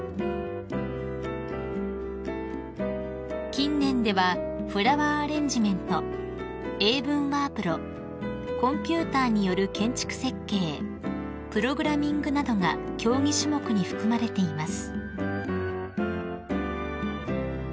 ［近年ではフラワーアレンジメント英文ワープロコンピューターによる建築設計プログラミングなどが競技種目に含まれています］